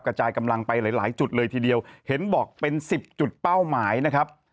กระจายกำลังไปหลายหลายจุดเลยทีเดียวเห็นบอกเป็นสิบจุดเป้าหมายนะครับ